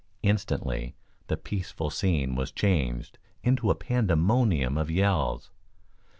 Instantly the peaceful scene was changed into a pandemonium of yells.